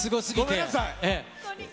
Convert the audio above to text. ごめんなさい。